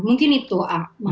mungkin itu mas